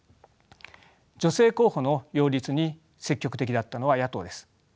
女性候補の擁立に積極的だったのは野党です。